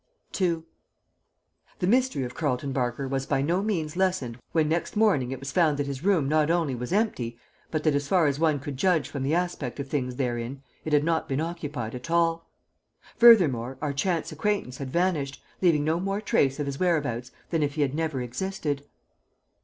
II The mystery of Carleton Barker was by no means lessened when next morning it was found that his room not only was empty, but that, as far as one could judge from the aspect of things therein, it had not been occupied at all. Furthermore, our chance acquaintance had vanished, leaving no more trace of his whereabouts than if he had never existed.